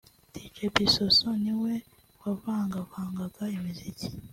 Dj Bissoso niwe wavangavangaga imiziki